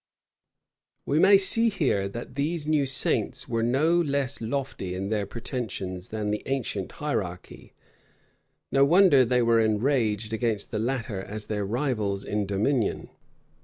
We may here see, that these new saints were no less lofty in their pretensions than the ancient hierarchy: no wonder they were enraged against the latter as their rivals in dominion.